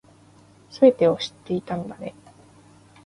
全てを知っていたんだね